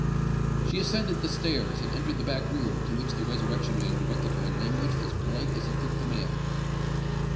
She ascended the stairs, and entered the back room, to which the Resurrection Man directed her in language as polite as he could command.